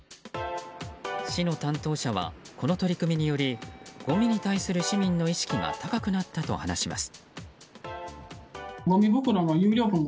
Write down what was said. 市の担当者はこの取り組みによりごみに対する市民の意識が高くなったと話します。